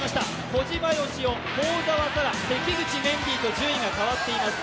小島よしお、幸澤沙良、関口メンディーと順位が変わっています。